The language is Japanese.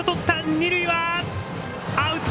二塁はアウト！